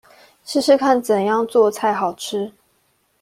試試看怎樣做菜好吃